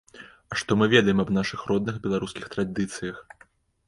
А што мы ведаем аб нашых родных беларускіх традыцыях?